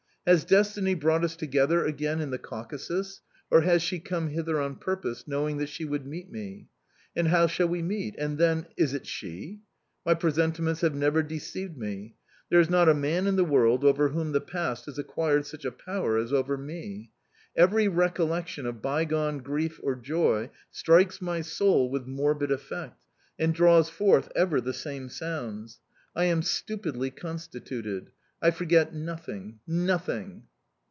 Has destiny brought us together again in the Caucasus, or has she come hither on purpose, knowing that she would meet me?... And how shall we meet?... And then, is it she?... My presentiments have never deceived me. There is not a man in the world over whom the past has acquired such a power as over me. Every recollection of bygone grief or joy strikes my soul with morbid effect, and draws forth ever the same sounds... I am stupidly constituted: I forget nothing nothing!